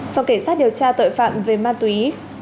phòng cảnh sát điều tra tội phạm về ma túy